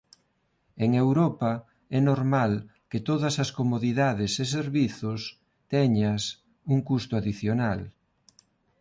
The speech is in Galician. En Europa é normal que todas as comodidades e servizos teñas un custo adicional.